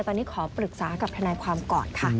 ตอนนี้ขอปรึกษากับทนายความก่อนค่ะ